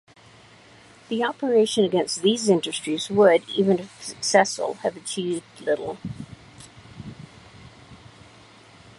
The operation against these industries would, even if successful, have achieved little.